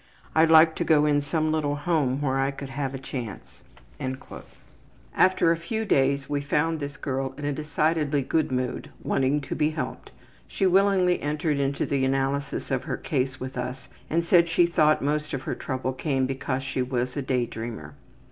I'd like to go in some little home where I could have a chance.'' After a few days we found this girl in a decidedly good mood, wanting to be helped. She willingly entered into the analysis of her case with us and said she thought most of her trouble came because she was a day dreamer.